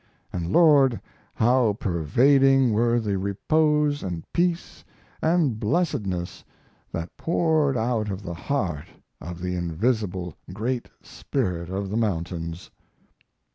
And Lord, how pervading were the repose and peace and blessedness that poured out of the heart of the invisible Great Spirit of the mountains!